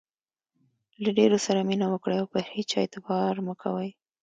له ډېرو سره مینه وکړئ، او پر هيچا اعتبار مه کوئ!